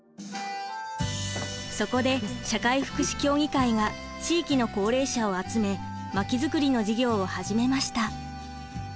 そこで社会福祉協議会が地域の高齢者を集めまき作りの事業を始めました。